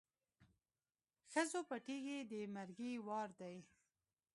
ښځو پټېږی د مرګي وار دی